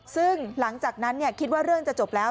ซึ่งหลังจากนั้นคิดว่าเรื่องจะจบแล้ว